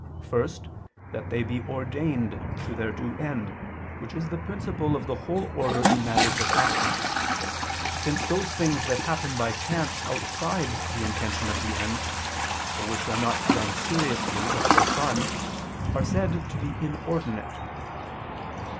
First, that they be ordained to their due end, which is the principle of the whole order in matters of action: since those things that happen by chance outside the intention of the end, or which are not done seriously but for fun, are said to be inordinate.